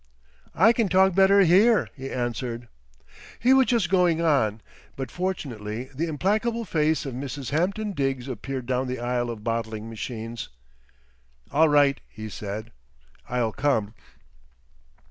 "I can talk better here," he answered. He was just going on, but fortunately the implacable face of Mrs. Hampton Diggs appeared down the aisle of bottling machines. "All right," he said, "I'll come."